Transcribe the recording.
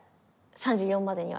３４までには。